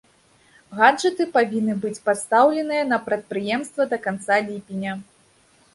Гаджэты павінны быць пастаўленыя на прадпрыемства да канца ліпеня.